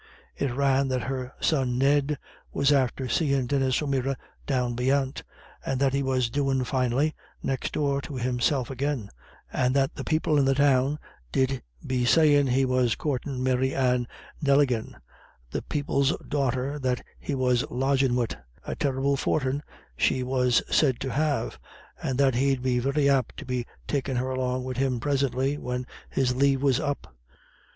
It ran that her son Ned was "after seein' Denis O'Meara down beyant, and that he was doin' finely, next door to himself again: and that the people in the Town did be sayin' he was coortin' Mary Anne Neligan, the people's daughter that he was lodgin' wid a terrible fortin she was said to have and that he'd be very apt to be takin' her along wid him prisintly when his lave was up."